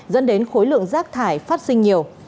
dẫn đến khối lượng rác thải phát sinh nhiều